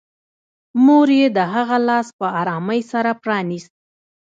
مور یې د هغه لاس په ارامۍ سره پرانيست